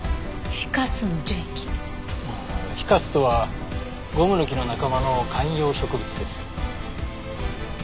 フィカスとはゴムの木の仲間の観葉植物です。